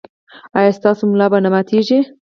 ایا ستاسو ملا به نه ماتیږي؟